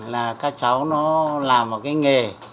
là các cháu nó làm một cái nghề